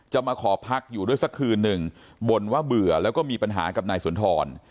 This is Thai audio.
มาขอพักอยู่ด้วยสักคืนหนึ่งบ่นว่าเบื่อแล้วก็มีปัญหากับนายสุนทร